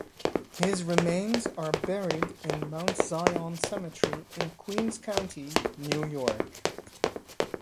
His remains are buried in Mount Zion Cemetery in Queens County, New York.